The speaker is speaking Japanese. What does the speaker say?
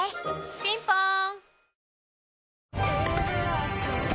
ピンポーン